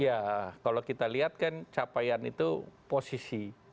iya kalau kita lihat kan capaian itu posisi